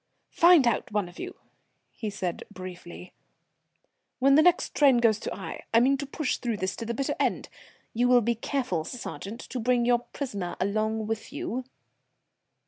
"Find out, one of you," he said briefly, "when the next train goes to Aix. I mean to push this through to the bitter end. You will be careful, sergeant, to bring your prisoner along with you."